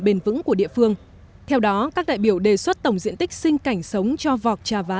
bền vững của địa phương theo đó các đại biểu đề xuất tổng diện tích sinh cảnh sống cho vọt trà vá